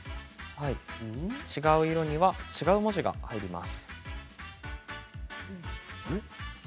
違う色には違う文字が入ります。